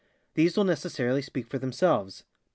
These will necessarily speak for themselves.